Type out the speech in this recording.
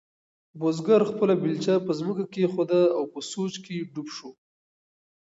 بزګر خپله بیلچه په ځمکه کېښوده او په سوچ کې ډوب شو.